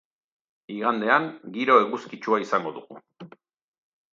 Igandean, giro eguzkitsua izango dugu.